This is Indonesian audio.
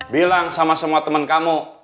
bilang sama semua teman kamu